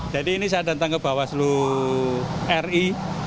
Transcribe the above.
jadi ini saya datang ke bawaslu ri